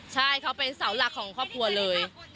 ใช่เขาเป็นเสาหลักของครอบครัวเลย